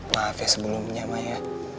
maaf ya sebelumnya ma ya